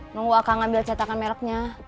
nunggu akan ngambil cetakan mereknya